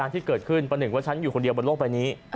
ที่เกิดขึ้นประหนึ่งว่าฉันอยู่คนเดียวบนโลกใบนี้